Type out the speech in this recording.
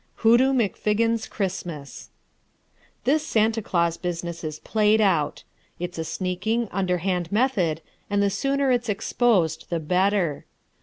Hoodoo McFiggin's Christmas This Santa Claus business is played out. It's a sneaking, underhand method, and the sooner it's exposed the better.